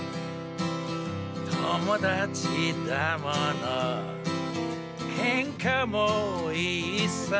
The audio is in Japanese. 「ともだちだものけんかもいいさ」